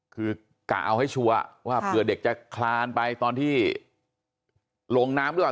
คือกะเอาให้ชัวร์ว่าเผื่อเด็กจะคลานไปตอนที่ลงน้ำหรือเปล่า